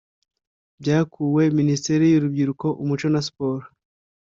byakuwe:minisiteri y’urubyiruko, umuco na siporo